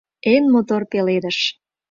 ЭН МОТОР ПЕЛЕДЫШ